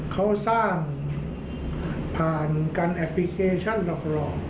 เขาสร้างผ่านการแอปพลิเคชันหลอก